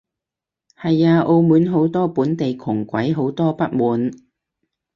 係啊，澳門好多本地窮鬼，好多不滿